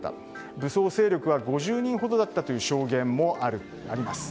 武装勢力は５０人ほどだったという証言もあります。